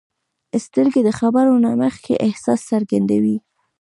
سترګې د خبرو نه مخکې احساس څرګندوي